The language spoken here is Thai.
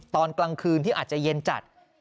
ตอนกลางคืนที่อาจจะเย็นจัด